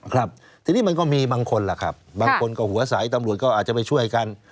ครับทีนี้มันก็มีบางคนล่ะครับบางคนก็หัวใสตำรวจก็อาจจะไปช่วยกัน